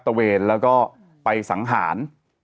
ตะเวนแล้วก็ไปสังหาร